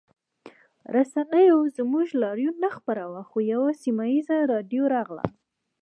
رسنیو زموږ لاریون نه خپراوه خو یوه سیمه ییزه راډیو راغله